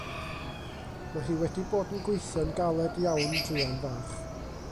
Ma' hi wedi bod yn gweithio'n galed iawn druan fach.